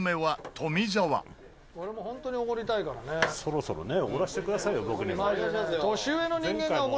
富澤：そろそろねおごらせてくださいよ、僕にも。